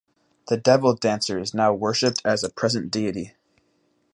The devil-dancer is now worshipped as a present deity.